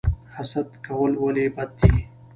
حسد کول ولې بد دي؟